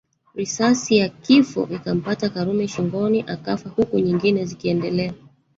Risasi ya kifo ikampata Karume shingoni akafa huku nyingine zikiendelea